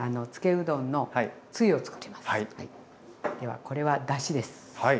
ではこれはだしです。